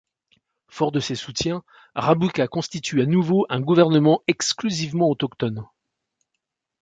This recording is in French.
Fort de ses soutiens, Rabuka constitue à nouveau un gouvernement exclusivement autochtone.